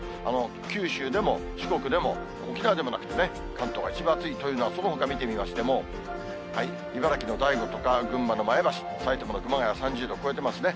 九州でも四国でも沖縄でもなくてね、関東が一番暑い、というのは、そのほか見てみましても、茨城の大子とか群馬の前橋、埼玉の熊谷３０度超えてますね。